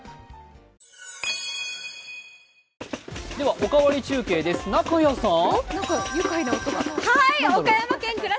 「おかわり中継」です中屋さん。